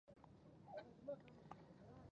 او د ډاکتر بلال خبره څنګه.